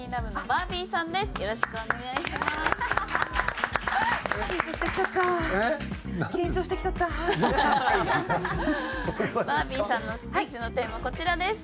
バービーさんのスピーチのテーマこちらです。